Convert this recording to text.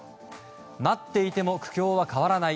待っていても苦境は変わらない。